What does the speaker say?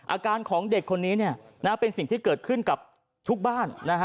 อาการของเด็กคนนี้เป็นสิ่งที่เกิดขึ้นกับทุกบ้าน